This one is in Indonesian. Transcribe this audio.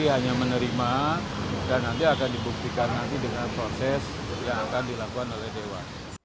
hanya menerima dan nanti akan dibuktikan nanti dengan proses yang akan dilakukan oleh dewan